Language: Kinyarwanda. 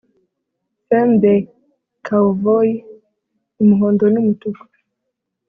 Fin de cawvoi umuhondo n' umutuku